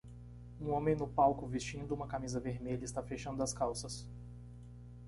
Um homem no palco vestindo uma camisa vermelha está fechando as calças.